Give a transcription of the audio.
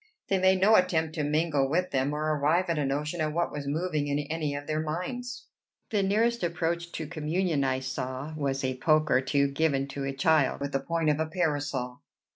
They made no attempt to mingle with them, or arrive at a notion of what was moving in any of their minds. The nearest approach to communion I saw was a poke or two given to a child with the point of a parasol.